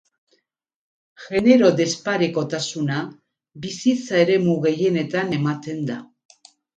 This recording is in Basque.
Genero-desparekotasuna bizitza eremu gehienetan ematen da.